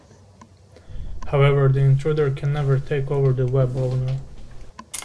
However the intruder can never take over the web owner.